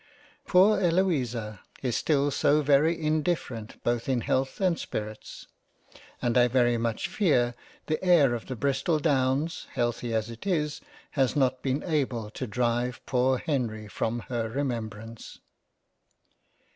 Poor Eloisa is still so very indifferent both in Health and Spirits, that I very much fear, the air of the Bristol downs, healthy as it is, has not been able to drive poor Henry from her remembrance.